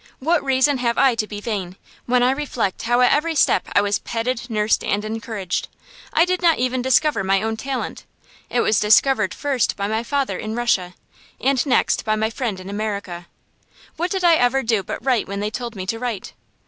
What reason have I to be vain, when I reflect how at every step I was petted, nursed, and encouraged? I did not even discover my own talent. It was discovered first by my father in Russia, and next by my friend in America. What did I ever do but write when they told me to write?